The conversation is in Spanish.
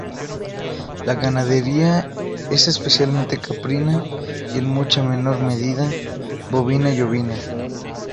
La ganadería es especialmente caprina y en mucha menor medida bovina y ovina.